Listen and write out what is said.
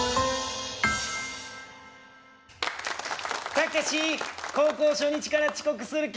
「タカシ高校初日から遅刻する気？